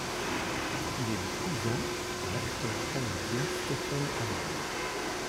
Il est le cousin de l'acteur canadien Stephen Amell.